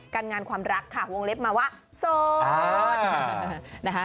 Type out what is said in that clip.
กันงานความรักห่วงเล็บมาว่าโซน